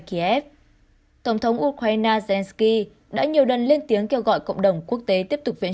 phép tổng thống ukraine zelenskyy đã nhiều lần lên tiếng kêu gọi cộng đồng quốc tế tiếp tục viện